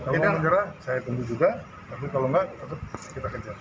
kalau menyerah saya tunggu juga tapi kalau enggak kita kejar